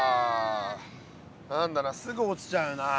何だかすぐ落ちちゃうな。